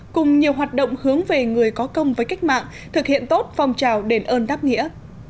cùng nhiều hoạt động hướng về người có công với cách mạng thực hiện tốt phong trào đền ơn đáp nghĩa